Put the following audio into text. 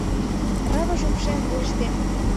Рывыж упшем вуйыштем